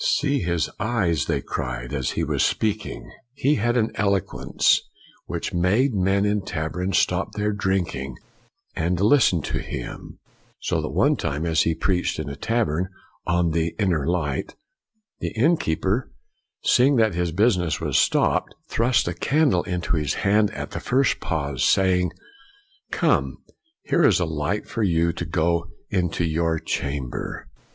" See his eyes! ' they cried, as he was speaking. He had an eloquence w r hich made men in taverns stop their drinking to listen to him; so that one time as he preached in a tavern on the Inner Light, the inn keeper, seeing that his business was stopped, thrust a candle into his hand at the first pause, saying, " Come, here is a light for you to go into your chamber.''